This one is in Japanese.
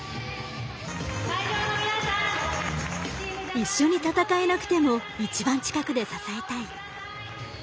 一緒に戦えなくても一番近くで支えたい。